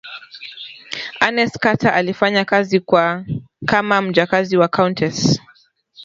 ernest carter alifanya kazi kama mjakazi wa countess